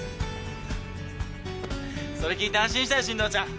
それ聞いて安心したよ進藤ちゃん。